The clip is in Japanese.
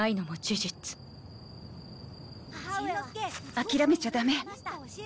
諦めちゃダメ。